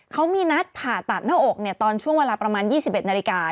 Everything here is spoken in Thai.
เขามีนัดผ่าตัดหน้าอกตอนช่วงเวลาประมาณ๒๑นาฬิกา